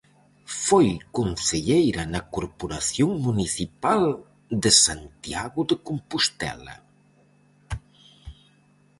Foi concelleira na corporación municipal de Santiago de Compostela.